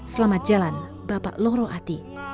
selamat jalan bapak loro ati